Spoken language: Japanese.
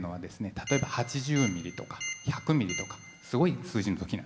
例えば８０ミリとか１００ミリとかすごい数字の時なんです。